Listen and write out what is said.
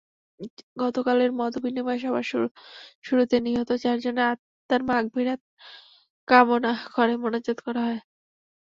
গতকালের মতবিনিময় সভার শুরুতে নিহত চারজনের আত্মার মাগফিরাত কামনা করে মোনাজাত করা হয়।